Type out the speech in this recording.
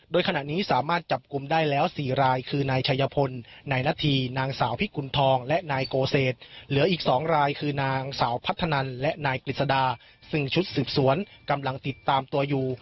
โดยขณะนี้สามารถจับกลุ่มได้แล้ว๔รายคือนายชัยพลนายนาธีนางสาวพิกุณฑองและนายโกเศษเหลืออีก๒รายคือนางสาวพัฒนันและนายกฤษดาซึ่งชุดสืบสวนกำลังติดตามตัวอยู่